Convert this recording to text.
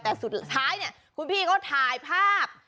แต่สุดท้ายเนี่ยคุณพี่ก็ถ่ายภาพ